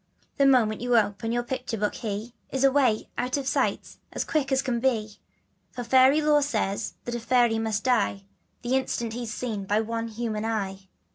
The moment you open your picture book he Is away out of sight as quick as can be, For fairy law says that a fairy must die The instant he's seen by one human eye.